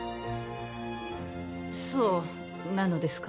そうなのですか？